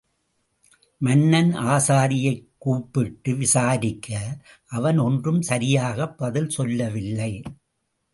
மன்னன் ஆசாரியைக் கூப்பிட்டு விசாரிக்க, அவன் ஒன்றும் சரியாக பதில் சொல்லவில்லை.